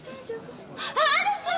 あるじゃん！